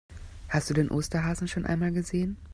Hast du den Osterhasen schon einmal gesehen?